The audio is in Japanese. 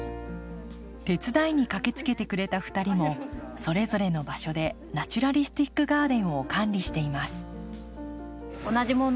手伝いに駆けつけてくれた２人もそれぞれの場所でナチュラリスティックガーデンを管理しています。